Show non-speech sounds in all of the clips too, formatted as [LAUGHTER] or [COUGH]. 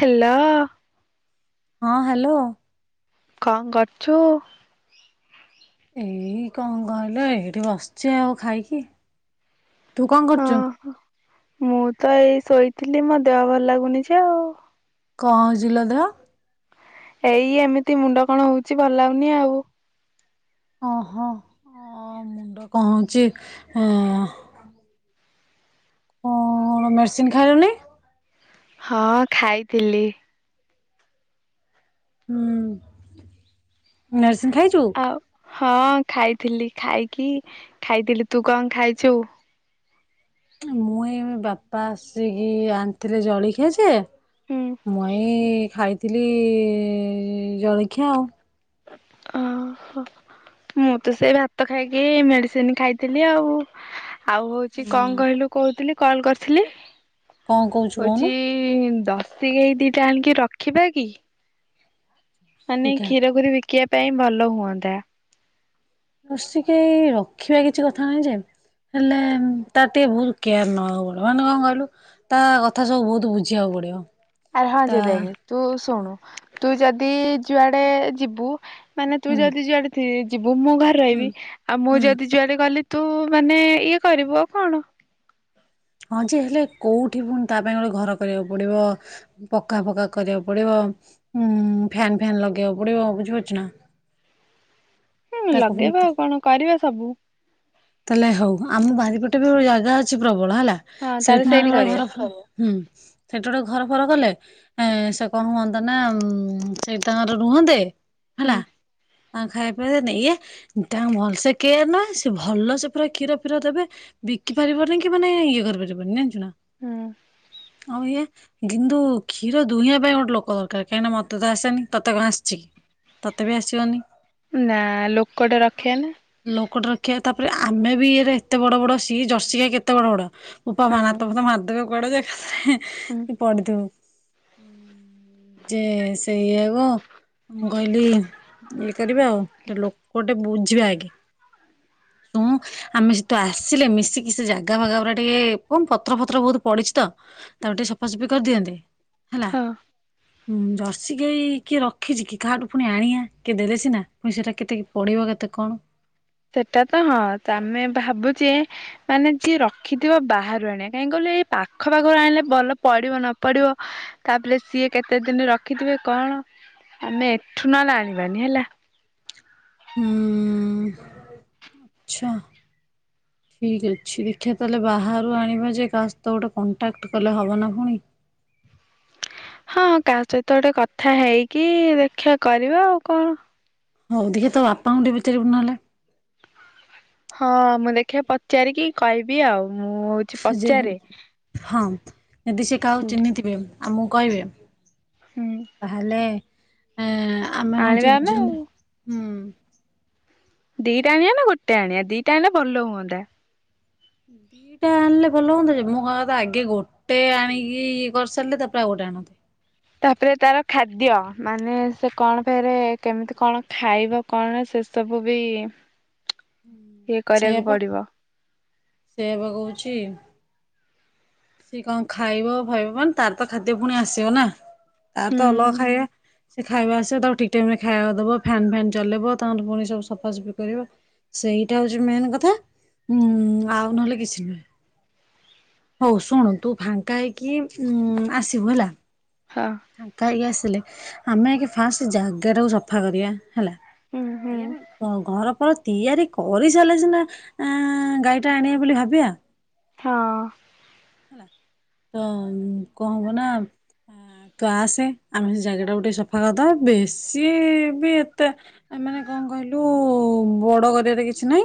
Hello ହଁ hello କଣ କରୁଛୁ? ଏଇ କଣ କହିଲ ଏଇଠି ବସିଚ ଆଉ ଖାଇକି ତୁ କଣ ହଁ କରୁଛୁ ମୁଁ ତ ଏଇ ଶୋଇଥିଲି ମୋ ଦେହ ଭଲ ଲାଗୁନି ଯେ ଆଉ କଣ ହେଇଚି କି ଲୋ ଦେହ ଏଇ ଏମିତି ମୁଣ୍ଡ କଣ ହଉଛି ଭଲ ଲଉନି ଆଉ ଓହୋ ମୁଣ୍ଡ କହୁଛି ଅ ହ ମେଡିସିନ ଖାଇଲୁଣି ହଁ ଖାଇଥିଲି। ମେଡ୍ ଆଉ ହଁ ଖାଇଥିଲି ଖାଇକି ଖାଇଥିଲି ତୁ କଣ ଖାଇଛୁ? ମୁଁ ବାପା ଆସିକି ଆଣିଥିଲେ ଜଳଖିଆ ଯେ ହୁଁ ମୁଁ ଏଇ ଖାଇଥିଲି ଜଳଖିଆ ଆଉ ଓହୋ ମୁଁ ତ ସେ ଭାତ ଖାଇକି ମେଡିସିନ ଖାଇଥିଲି ଆଉ ଆଉ ହଉଛି କଣ ହୁଁ କହିଲୁ କହୁଥିଲି। କଣ କରିଥିଲି? କଣ କହୁଛୁ କହୁନୁ ହଉଛି ତ ସିକ ଦିଟା ଆଣିକି ରଖିବା କି? ଆାନେ କ ଶିଖା ଖିର ଖିରୁ ବି ଶଖିବା ପାଇଁ ଭଲ ହୁଅନ୍ତା। ଜରଷିଗାଇ ରଖିବା କିଛି କଥା ନାହିଁ ଯେ ହେଲେ ତ ଟିକେ ବହୁତ କେୟାର ନବାକୁ ପଡିବ ମାନେ କଣ କହିଲୁ ତା କଥା ସବୁ ବହୁତ ବୁଝିବାକୁ ପଡିବ ଆରେ ହଁ ତା ଯ ଦେ ତୁ ଶୁଣୁ ତୁ ଯଦି ଯୁଆଡ଼େ ଯିବୁ ମାନେ ତୁ ହୁଁ ଯଦି ଯୁଆଡ଼େ ସିଏ ଯି ମୁଁ ମୁଁ ଘରେ ହୁଁ ରହିବି ଆଉ ମୁଁ ହୁଁ ଯଦି ଯୁଆଡେ ଗଲି ତୁ ମାନେ ଇଏ କରିବୁ ଆଉ କଣ ହଁ ଯେ ହେଲେ କୋଉଠି ପୁଣି ତା ପାଇଁ ଗୋଟେ ଘର କରିବାକୁ ପଡିବ ପକା ଫକା କରିବାକୁ ପଡିବ, ଉଁ ଫ୍ୟାନ ଫ୍ୟାନ ଲଗେଇବାକୁ ପଡିବ, ବୁଝିପାରୁଛି ନା। ହୁଁ ତାକୁ ପୁଣି ଲଗେଇବା ତା ଆଉ କଣ କରିବା ସବୁ ତାହେଲେ ହଉ ଆମ ବାରିପଟେ ବି ଜାଗା ଅଛି, ପ୍ରବଳ ହେଲା ହଁ ତାହେଲେ ସେଇଠୁ ନଲେ ସେଇଠି ବ କରିବା ଘର ହୁଁ ସେଠ ବ ଘର ଫର କଲେ ସେ କଣ ହୁଅନ୍ତା ନା ସେଇ ତାାଙ୍କର ରୁହନ୍ତେ ହୁଁ ଆ ଖାଇବା ପିବା ଇଏ ତାଙ୍କୁ ଭଲସେ କେୟାର ନହେ ସେ ଭଲ ସେ ପୁରା କ୍ଷୀର ଫିର ଦେବେ, ବିକି ପାରିବନି କି ମାନେ ଇଏ କରିବ [UNINTELLIGIBLE] ଜାଣିଚୁ ନାଁ। ହୁଁ। [INAUDIBLE] ଆଉ ଇଏ କିନ୍ତୁ କ୍ଷୀର ଦୁହିଁବା ପାଇଁ ଗୋଟେ ଲୋକ ଦରକାର, କାହିଁକି ନା ମତେ ତ ଆସେନି ତତେ କଣ ଆସିଛି କି ତତେ ବି ଆସିବନି। ନା ଲୋକଟା ରଖେ ନା ଦେଖିଆ ତାପରେ ଆମେ ବି ଇ ଏତେ ବଡ ସିଏ ଜର୍ସି ଖା କେତେ ବଡ ବଡ ବୋପା ମା ହଁ ନାତ ଫାତ ମାରିଦେବେ। ବଡ଼ ଦେଖ ହୁଁ [INAUDIBLE] ପଡ଼ିଥିବ। [INAUDIBLE] ଯେ ସେ ଇକୁ ମୁଁ କହିଲି ଇଏ କରିବା ଆଉ ଲୋକ ଟେ ବୁଝିବା ଆଗେ, ଶୁଣ ଆମେ ସେ ତୁ ଆସିଲେ ମିଶିକି ସେ ଜାଗା ଭାଗା ପୁରା ଟିକେ କଣ ପତର ପତ୍ର ବହୁତ ପଡିଚି ତ ତାକୁ ଟିକେ ସଫାସଫି କରିଦିଅନ୍ତେ। ହଁ ହୁଁ ଜର୍ସି ଗଈ କିଏ ରଖିଛି କି, କାହାଠୁ ପୁଣି ଆଣିବା କିଏ ଦେଲେ ସିନା ପୁଣି ସେଟା କେତେ ପଡେଇିବ କେତେ କଣ ସେଟା ତ ହଁ ଆମେ ଭାବୁଛେ ମାନେ ଯିଏ ରଖିଥିବ ବାହାରୁ ଆଣିବା କାହିଁକି କହିଲ ଏଇ ପାଖ ପାଖରୁ ଆଣିଲେ ଭଲ ପଡିବ ନ ପଡିବ ତାପରେ ସିଏ କେତେ ଦିନ ରଖିଥିବେ କଣ ଆମେ ଏଠୁ ନହେଲେ ଆଣିବାନି ହେଲା। ହୁଁ [INAUDIBLE] ଆଚ୍ଛା ଠିକ ଅଛି, ଦେଖିବା ତାହେଲେ ବାହାରୁ ଆଣିବା ଯେ କା ସତ ଗୋଟେ କଣ୍ଟାକ୍ଟ କଲେ ହବନା ପୁଣି [INAUDIBLE] ହଁ କା ସହିତ ଗୋଟେ କଥା ହେଇକି ଦେଖା କରିବା ଆଉ କଣ ହୋଉ ଦେଖେ ତ ବାପାଙ୍କୁଠ ବିଚାରିବୁ ନହେଲେ ହଁ ମୁଁ ଦେଖିବା ପଚାରିକି କହିବି ଆଉ ମୁଁ ହଉଛି ଯେ ପଚାରେ। ହଁ ଯଦି ସେ କାହା ହୁଁ ଚିହ୍ନିଥିବେ ଆଉ ମୁଁ କହିବି ତାହାଲେ ହଁ ଆମେ ଆଣିବା ହଉଛି ଆମେ ବୁଝୁ ଆଉ ନା ହୁଁ ଦିଟା ଆଣିବା ନା ଗୋଟେ ଆଣିବା ଦିଟା ଆଣେ ଭଲ ହୁଅନ୍ତା। ଦିଟା ଆଣିଲେ ଭଲ ହୁଅନ୍ତା, ଯେ ମୁଁ କ ତ ଆଗେ ଗୋଟେ ଆଣିକି କରିସାରିଲେ ତା ପ୍ରାୟ ଗୋଟେ ଆଣନ୍ତେ। ତାପରେ ତାର ଖାଦ୍ୟ ମାନେ ସେ କଣ ଫରେ କେମିତି କଣ ଖାଇବ କଣ ସେ ସବୁ ବି [INAUDIBLE] ଇଏ କରିବାକୁ ପଡିବ। ସେବା କୋହୁଚି ସେି କଣ ଖାଇବ ଭାଇିବ ମାନ ତାର ତ ଖାଦ୍ୟ ପୁଣି ଆସିବ ନା ତ ହୁଁ ତ ଅଲଗ ଖାଇ ସେ ଖାଇବା ଆସିବା ତାକୁ ଠିକ ଟାଇମ ରେ ଖାଇବା ଦବ ଫ୍ୟନ୍ ଫ୍ୟନ୍ ଚଲେଇବ ତାଙ୍କର ପୁଣି ସବୁ ସଫାସଫା କରିବ ସେଇଟା ହଉଛି ମେନ୍ କଥା ଉଁ ଆଉ ନହେଲେ କିଛି ନୁହେଁ ହଉ ଶୁଣ ତୁ ଫାଙ୍କା ହେଇକି ଉ ଆସିବୁ ହେଲା ହଁ କା ହେକି ଆସିଲେ ଆମେ ଫାଷ୍ଟ ଜାଗା ଟାକୁ ସଫା କରିବା ହେଲା ହୁଁ ହୁଁ। ଆଜ୍ଞା ଘର ତିଆରି କରିସାରିଲେ ସିନା ଗାଈ ଟା ଆଣିବେ ବୋଲି ଭାବିବା ହଁ ହେଲା ତ କଣ ହବ ନା ତୁ ଆସେ ଆମେ ସେ ଜାଗେଟ ଟା ଟିକେ ସଫା କରିଦବା ବେଶୀ ବି ଏତେ ମାନେ କଣ କହିଲୁ ବଡ କରିବାର କିଛି ନାହିଁ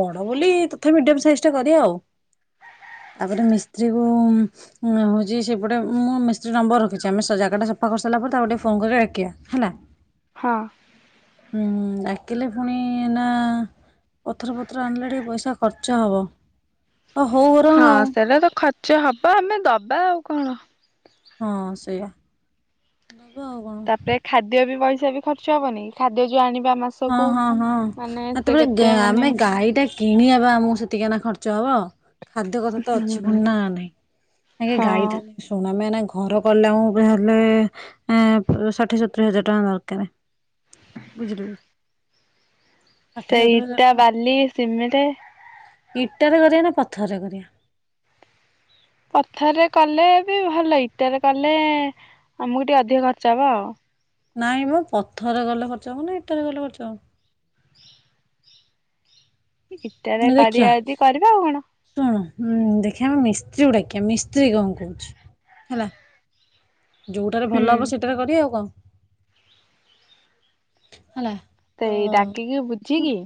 ବଡ ବୋଲି ତଥା ମିଡିୟମ ସାଇଜ ଟା କରିବା ଆଉ ତାପରେ ମିସ୍ତ୍ରୀ କ ହଉଛି ସେପଟେ ମୁଁ ମିସ୍ତ୍ରୀ ନମ୍ବର ରଖିଛି ଆମେ ଜାଗାଟା ସଫା କରିସାରିଲା ପରେ ତାକୁ ଟିକେ ଫୋନ କରି ରଡଖିବା ହେଲା ହଁ ହୁଁ ଡାକିଲେ ପୁଣି ନା ପଥର ପଥ୍ର ଆଣିଲେ ଟିକେ ପଇସା ଖର୍ଚ୍ଚ ହେବ ଓ ହଉ ରଙ୍ଗ ଆଉ ଆଚଛା ହବା ଆମେ ଦବା ଆଉ କଣ ହଁ ସେଇଆ ଆଉ କଣ ତାପରେ ଖାଦ୍ୟ ବି ପଇସ ବି ଖଚ ହବନି ଖାଦ୍ୟ ଯଉ ଆଣି ହଁ ହଁ ହଁ ସେତେବେଳେ କେତେ ମାନେ ଆମେ ଗାଈ ଟା କିଣିବା ବା ଆମକୁ ସେତିକି ନା ଖର୍ଚ୍ଚ ଯଅ ଖାଦ୍ୟ କଥା ତ ଅଛି ଭୁ ହୁଁ ନା ନାଇଁ ଆେ ଗାଇଥା ହଁ। ଶୁଣମେ ଘର କଲା ଆ ହେଲେ ଷାଠିଏ ସତୁୁରରି ହଜାର ଟଙ୍କା ଦରକାର ବୁଝିଲୁ ଷାଠିଏ ସେଇ ସତୁରି ହଜାର ଇଟା ବାଲି ସିମିରେ ଇଟରେ କରିବା ନା ପଥରରେ କରିବା ପଥରେ କଲେ ବି ଭଲ ଇଟରେ କଲେ ଆମକୁ ଟିକେ ଅଧିକ ଖର୍ଚ୍ଚ ହବ ଆଉ ନାଇଁ ମୋ ପଥରରେ ଗଲେ ଖର୍ଚ୍ଚ ହବ ନା ଏଇଟରେ ଗଲେ ଖର୍ଚ୍ଚ ହ [UNINTELLIGIBLE] ଇଟାରେ ଦେଖିବା କରିବା ଯଦି କରିବା ଆଉ କଣ ଶୁଣଁ ଦେଖିବା ମି ମିସ୍ତ୍ରୀ ଗୁଡାକି ମିସ୍ତ୍ରୀ କଣ କହୁଛି ହେଲା ଯୋଉଟାରେ ହୁଁ ଭଲ ହବ ସେଟାରେ କରି ଆଉ କଣ ହେଲା ତ ସେ ଏଇ ଡାକିକି କିନ୍ତୁ ବୁଝିକି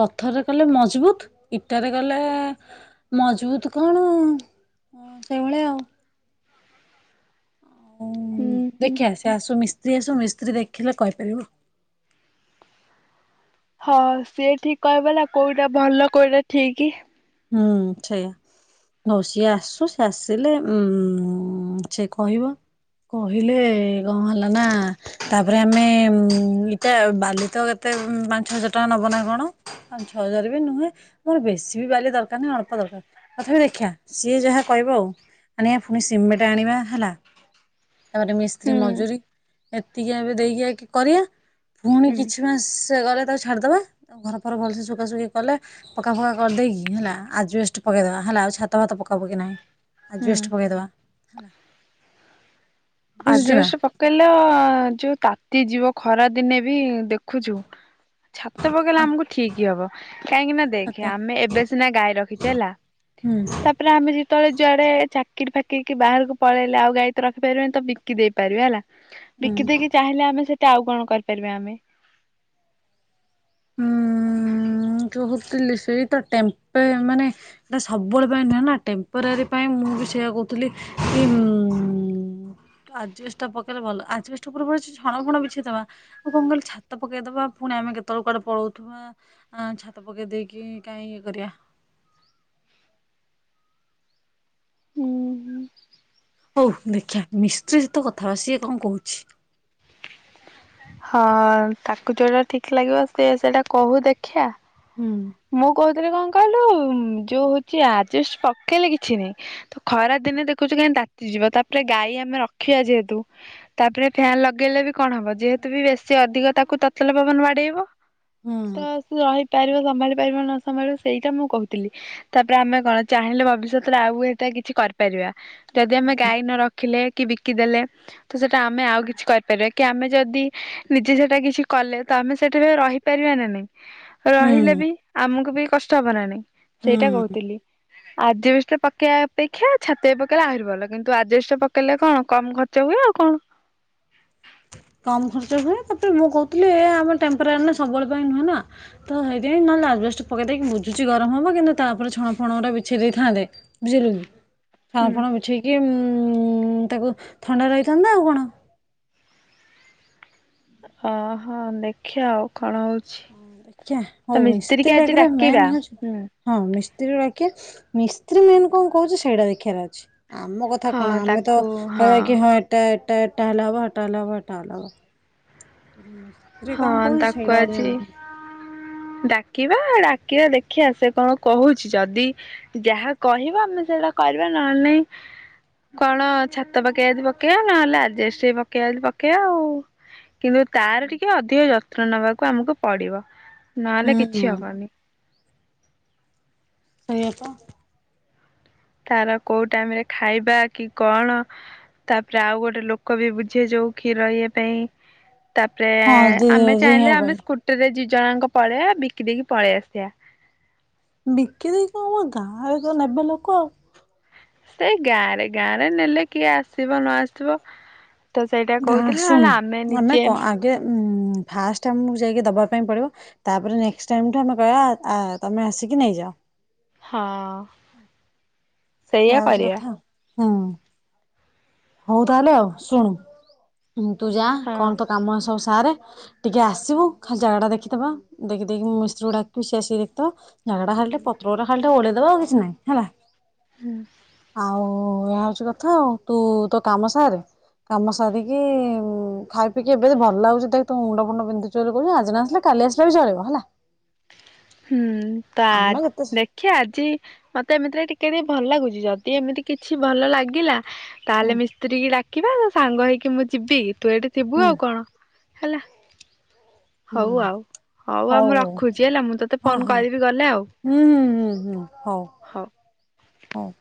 ପଥରରେ କଲେ ମଜବୁତ ଇଟାରେ ଗଲେ ମଜବୁତ କଣ ସେଇଭଳିଆ ଆଉ ଓ ହୁଁ ହୁଁ ଦେଖିବା ଆସ ଆସୁସ୍ତ ସ୍ତ୍ରୀ ସବୁ ମିସ୍ତ୍ରୀ ଦେଖିଲେ କହିପାରିବ ହଁ ସିଏ ଠିକ କହିବଲା କୋଉଟା ଭଲ କୋଉଟା ଠିକ ହୁଁ ସେଇଆା ହଉ ସିଏ ଆସୁ ସି ଆସିଲେ ଉ ସିଏ କହିବ କହିଲେ କଣ ହେଲା ନା ତାପରେ ଆମେ ଇଟା ବାଲି ତ କେତେ ପାଞ୍ଚ ହଜାର ଟଙ୍କା ନବ ନା କଣ ପାଞ୍ଚ ଛଅ ହଜାର ବି ନୁହେଁ ମୋର ବେଶୀ ବି ବାଲି ଦର ନା ଅଳ୍ପ ଦରକାର ତଥାପି ଦେଖିବା ସିଏ ଯାହା କହିବ ଆଉ ଆ ପୁଣି ସିମେଟ ଆଣିବା ହେଲା ତାପରେ ମିସ୍ତ୍ରୀ ହୁଁ ମଜୁରୀ ଟିକେ ଏବେ ଦେଇକି କି କରିବାଆ ପୁଣି ହୁଁ। କିଛି ମାସ ଗଲେ ତ ଛାଡ଼ିଦେବାଉ ଘର ଫର ଭଲସେ ଶୁଖାସୁଖି କଲେ ପକା ଫକ୍କା କରିଦେଇକି? ଁ ହେଲା ଆଜି ପକେଇଦବା ହେଲା ଆଉ ଛାତ ଭାତ ପକବ କି ନାହିଁ। ଆ ହୁଁ ବେଷ୍ଟ ଭୋଗେଇ ଦେବା ହେଲା। ବୁଝୁଛୁ ଆଜି ନା ବସ ପକେଇଲେ ଯୋଉ ତା ଏତି ଯିବ ଖରା ଦିନେ ବି ଦେଖ ରଖଛୁ ଛାତ ପକେଇଲେ ଆଉ ଆମକୁ ଠିକ ହି ହବ କାହିଁକି ନା ଦେଖ ଛାତ ଆମେ ଏବେ ସିନା ଗାଈ ରଖିଛେ ହେଲା ହୁଁ ତାପରେ ଆମେ ଯେତେବେଳେ ଯୁଆଡେ ଚିକି ଫାକିକି ବାହାରକୁଳଲେଉ ଗଈ ତ ରଖିପାରିବନି ତ ବିକି ଦେଇ ପାରିବେ ହେଲା। ବିକି ହୁଁ ଦେଇେଇକି ଚାହିଁଲେ ଆମେ ସେଠି ଆଉ କଣ କରିପାରିବା ଆମେ ହୁଁ ଁ କହୁଥିଲି ସେଇଟ ମାନେ ଏଟା ସବୁବେଳେ ପାଇଁ ନୁହେଁ ନା ଟେମ୍ପୋରାରୀ ପାଇଁ ମୁଁ ବି ସେଇଆ କହୁଥିଲି କି ଆଜଗଷ୍ଟା ପକେଇଲେ ଭଲ ଆଜିଗଷ୍ଟା ପୂର୍ବ ସେ ଛଣ ଫୁଣ ବିଛେଇଦବା ଆଉ କଣ କହିଲି ଛାତ ପକେଇଦବା ପୁଣି ଆମେ କେତେବେଳକୁ କଆଡେ ପଳଉଥିବା। ହଁ ଛାତ ପକେଇ ଦେଇକି କାହିଁ ଇଏ କରିବା। ଓ ହୁଁ ହଉ ଦେଖିବା ମିସ୍ତ୍ରୀ ସହିତ କଥାବାର୍ ସ କଣ କହୁଛି। ହଁ ତାକୁ ଯେଉଁଟା ଠିକ୍ ଲାଗିବ ସେ ସେଇଟା କହୁ ଦେଖିିବା ହୁଁ ମୁଁ କହୁଥିଲି କଣ? କହିଲୁ ଯୋଉ ହଉଛି ଆଜିଷ୍ଟ ପକେଇଲେ କିଛି ନାହିଁ ତ ଖରା ଦିନେ ଦେଖୁଛୁ କାହିଁି ତାତିଯିବ ତାପରେ ଗାଈ ଆମେ ରଖିବା ଯେହେତୁ ତାପରେ ଫ୍ୟାନ ଲଗେଇଲେ ବି କଣ ହବ ଯେତ ବି ବେଶୀ ଅଧିକ ତାକୁ ତତଲ ପବନ ବାଡେଇବ ହୁଁ ତ ସେ ରହି ପାରିବ ସମ୍ଭାଳି ପାରିବ ନ ସମ୍ଭାଳିବ ସେଇଟା ମୁଁ କହୁଥିଲି ତାପରେ ଆମେ କଣ ଚାହିଁଲେ ଭବିଷ୍ୟତରେ ଆଉ ସେଟା କିଛି କରିପାରିବା ଯଦି ଆମେ ଗାଈ ନ ରଖିଲେ। କି ବିକିଦେଲେ ତ ସେଇଟା ଆମେ ଆଉ କିଛି କରିପାରିବା କି ଆମେ ଯଦି ନିଜେ ସେଟା କିଛି କଲେ ତ ଆମେ ସେଠା ବି ରହିପାରିବା ନା ନାଇଁ। ହୁଁ ରହିଲେ ବି ଆମକୁ ବି କଷ୍ଟ ହେବନାଣି ସେଇଟା ହୁଁ କହୁଥିଲି ଆ ବ୍ୟସ୍ତ ପକେଇବା ଅପେକ୍ଷା ଛାତି ପକେଇଲେ ଆହୁରି ଭଲ କିନ୍ତୁ ଆଜଷ୍ଟ ପକେଇଲେ କଣ କମ ଖର୍ଚ୍ଚ ହୁଏ ଆଉ କଣ? କମ ଖର୍ଚ୍ଚ ହୁଏ ତାପରେ ମୁଁ କହୁଥିଲି ଏ ଆମ ଟେମ୍ପରାଚର ନା ସବୁଳେ ପାଇଁ ନୁହେଁ ନା ତ ହେଇଥିାଇଁ ନହେଲେ ଲାଜ୍ଜ ପକେଇ ଦେଇକି ବୁଝୁଛି ଗରମ ହବ କିନ୍ତୁ ତାପରେ ଛଣ ଫଣ ଗୁା ବିଛେଇ ଦେଇଥାନ୍ତେ। ବୁଝିଲୁନି ଛଣ ହୁଁ ଫଣ ମିଠେଇକି ଉଁ ତାକୁ ଥଣ୍ଡା ରହିଥାନ୍ତା ଆଉ କଣ? ଅହୋ ଦେଖିଆ ଆଉ କଣ ହଉ ହଉ ମିସ୍ତ୍ରୀ ଆଜି ଲାଗିଲେ ଡାକିବା ମେନ ହଉଚି ହୁଁ ହଁ ମିସ୍ ମିସ୍ତ୍ରୀ ରଖିବା ମିସ୍ତ୍ରୀ ମେନ କଣ କହୁଚି ସେଇଟା ଦେଖିବାର ଅଛି। ଆମ କଥା ହଁ କଣ ଆମେ ତ ତାକୁ କହିବା କି ହଁ ଏଟା ଏଟା ହେଲେ ହବ, ହେଟା ହେଲେ ହବ, ହେଟା ହେଲେ ହବ। ରେ କଣ ହଁ କହୁଚି ତାକୁ ସେଇଟା [INAUDIBLE] ଆଜି ଡାକିବା ଡାକିବା ଦେଖିବା ସେ କଣ କହୁଛି। ଯଦି ଯାହା କହିବ ଆମେ ସେଇଟା କରିବା। ନହେଲେ ନାଇ କଣ ଛାତ ପକେଇବା ଯଦି ପକେଇବା ନହେଲେ ଆଜବେଷଟ ପକେଇବା ଯଦି ପକେଇବା ଆଉ। କିନ୍ତୁ ତାର ଟିକେ ଅଧିକ ଯତ ଯତ୍ନ ନେବାକୁ ଆମକୁ ପଡିବ। ନହେଲେ ହୁଁ କିଛି ହବନି। ସେଇଆପା ତାର କୋଉ ଟାଇମ ରେ ଖାଇବା କି କଣ ତାପରେ ଆଉ ଗୋଟେ ଲୋକ ବି ବୁଝେ ଯଉ ଖିର ଇଏ ପାଇଁ। ତାପରେ ହଁ ଦେ ଆମେ ଦୁହିଁବା ଚାହିଁଲେ ପାଇଁ ଆମେ ସ୍କୁଟିରେ ଯି ଜଣଙ୍କ ପଳେଇବା ବିକି ଦେଇକି ପଳେଇ ଆସିବା। ବିକି ଦେଇ କଣ ଗାଁରେ ତ ନେବେ ଲୋକ ଆଉ। ସେଇ ଗାଁରେ ଗାଁ ରେ ନେଲେ କିଏ ଆସିବ ନ ଆସିବ। ତ ସେଇଟା ଗାଁ କହୁଥିଲେ ନହେଲେ ଶୁଣୁ ଆମେ ନିଜେ କ ଆଗେ ଉଁ ଫାଷ୍ଟ ଆମକୁ ଯାଇକି ଦବା ପାଇଁ ପଡିବ। ତାପରେ ନେଷ୍ଟ ଟାଇମଠୁ ଆମେ କହିବା ତମେ ଆସିକି ନେଇଯାଅ। ହଁ। [INAUDIBLE] ମାଉସୀ କରିବା କଥାହବ। ହଁ। ହଉ ତାହେଲେ ଆଉ ଶୁଣୁ ହୁଁ ତୁ ଯା ହଁ କଣ ତୋ କାମ ଆସି ସା ମାରେ ଟିକେ ଆସିବୁ ଖାଲି ଜାଗାଟା ଦେଖିଦବା ଦେଖି ଦେଇକି ମୁଁ ମିସ୍ତ୍ରୀ ଡାକିବି ସେ ଆସିକି ଦେଖିଦବ। ଜାଗା ଖାଲି ପତ୍ର ଗା ଖାଲି ଓଳେଇଦବା ଆଉ କିଛି ନାଇଁ ହେଲା। ହୁଁ। ଓ ଏହା ହଉଛି କଥା ଆଉ ତୁ ତୋ କାମ ସାରେ କାମ ସାରିକି ଖାଇ ପିଇକି ଏବେ ଭଲ ଲାଗୁଚି। ଦେଖ ତୁ ମୁଣ୍ଡ ଫୁଣ୍ଡ ପନ୍ଧି ଚ କହୁଛ। ଆଜି ନାସିଲେ କାଲି ଆସିଲେ ବି ଚଳିବ ହେଲା। ହୁଁ। ତା ଆମେ କେତେ ସେ- ଦେଖିଆ ଆଜି ମତେ ଏମିତିରେ ଟିକେ ଟି ଭଲ ଲାଗୁଛି ଯଦି ଏମିତି କିଛି ଭଲ ଲାଗିଲା ହୁଁ ତାହେଲେ ମିସ୍ତ୍ରୀ କିି ଡାକିବା ସାଙ୍ଗ ହେଇକି ମୁଁ ଯିବି। ତୁ ଏଠି ଥିବୁ ହୁଁ ଆଉ କଣ? ହେଲା। ହୁଁ ହଉ ଆଉ ହଉ ଆଉ ମୁଁ ରଖୁଛି ହେଲା ମୁଁ ତ ହଁ ହଁ ହୁଁ ହ ହୁଁ ହୁଁ ହଉ ହଉ